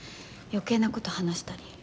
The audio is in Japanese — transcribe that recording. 余計な事話したり。